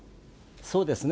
そうですね。